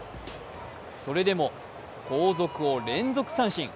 それでも後続を連続三振。